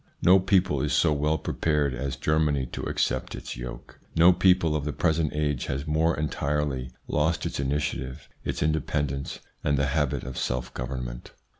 No people is so well prepared as Germany to accept its yoke. No people of the present age has more entirely lost its initiative, its independence, and the habit of self government.